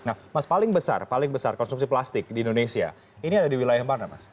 nah mas paling besar paling besar konsumsi plastik di indonesia ini ada di wilayah mana mas